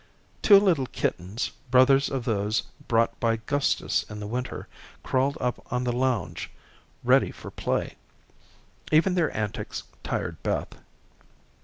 Two little kittens, brothers of those brought by Gustus in the winter, crawled up on the lounge ready for play. Even their antics tired Beth.